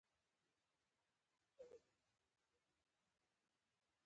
احمدشاه بابا د تاریخ یو ستر شخص و.